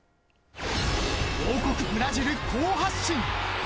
王国ブラジル、好発進。